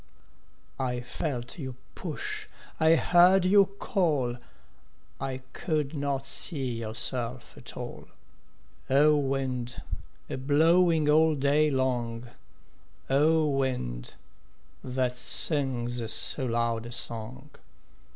I felt you push, I heard you call, I could not see yourself at all O wind, a blowing all day long, O wind, that sings so loud a song!